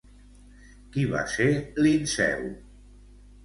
Qui va ser Linceu?